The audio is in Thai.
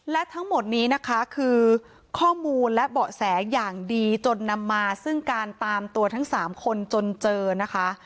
และทั้งหมดนี้นะคะคือข้อมูลและเบาะแสอย่างดีจนนำมาซึ่งการตามตัวทั้ง๓คนจนเจอนะคะ